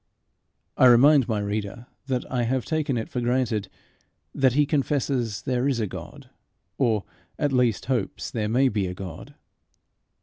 I remind my reader that I have taken it for granted that he confesses there is a God, or at least hopes there may be a God.